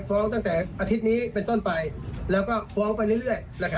ก็ดำเนินคดีมาเรื่อย